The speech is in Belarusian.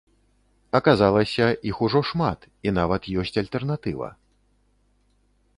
Аказалася, іх ужо шмат, і нават ёсць альтэрнатыва.